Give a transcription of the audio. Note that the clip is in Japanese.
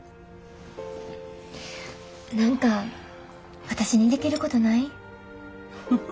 何か私にできることない？